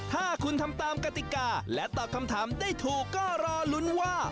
ถ้าคุณทำตามกติกาและตอบคำถามได้ถูกก็รอลุ้นว่า